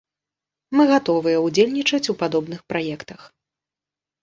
Мы гатовыя ўдзельнічаць у падобных праектах.